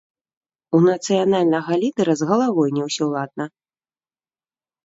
У нацыянальнага лідэра з галавой не ўсё ладна!